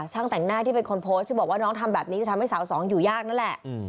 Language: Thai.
แต่งหน้าที่เป็นคนโพสต์ที่บอกว่าน้องทำแบบนี้จะทำให้สาวสองอยู่ยากนั่นแหละ